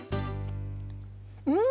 うん！